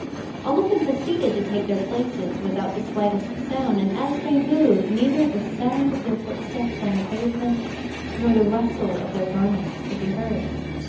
All of them proceeded to take their places without the slightest sound, and as they moved neither the sound of their footsteps on the pavement, nor the rustle of their garments could be heard.